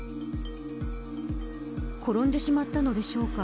転んでしまったのでしょうか。